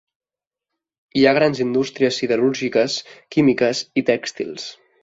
Hi ha grans indústries siderúrgiques, químiques i tèxtils.